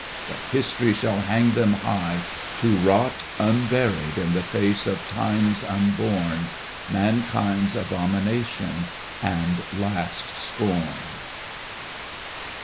But History shall hang them high, to rot Unburied, in the face of times unborn. Mankind's abomination and last scorn.